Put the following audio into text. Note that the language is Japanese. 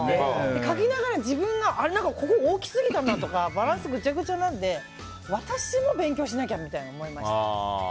描きながら、ここ大きすぎたとかバランスがぐちゃぐちゃなので私も勉強しなきゃと思いました。